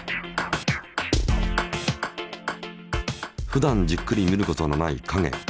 ふだんじっくり見ることのない影。